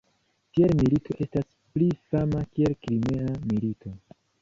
Tiel milito estas pli fama kiel Krimea milito.